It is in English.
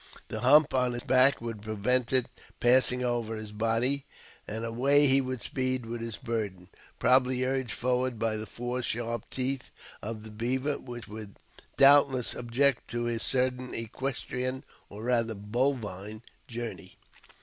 The hump on his back would prevent it passing over his body, and away he would speed with his burden, probably urged forward by the four sharp teeth of the beaver, which would doubtless object to his sudden equestrian (or rather bovine) journey.